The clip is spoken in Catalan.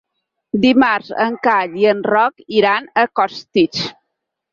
Dimarts en Cai i en Roc iran a Costitx.